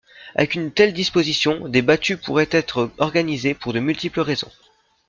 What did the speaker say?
Avec une telle disposition, des battues pourraient être organisées pour de multiples raisons.